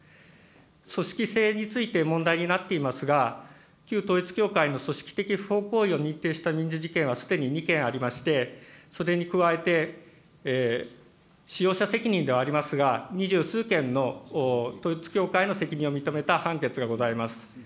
組織性について問題になっていますが、旧統一教会の組織的不法行為を認定した民事事件はすでに２件ありまして、それに加えて使用者責任ではありますが、二十数件の統一教会の責任を認めた判決がございます。